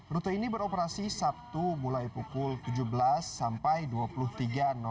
rute ini beroperasi sabtu mulai pukul tujuh belas sampai dua puluh tiga